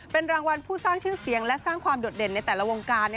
เป็นรางวัลผู้สร้างชื่อเสียงและสร้างความโดดเด่นในแต่ละวงการ